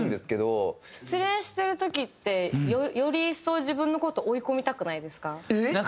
失恋してる時ってより一層自分の事を追い込みたくないですか？